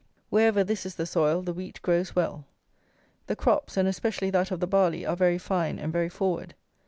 Wherever this is the soil, the wheat grows well. The crops, and especially that of the barley, are very fine and very forward.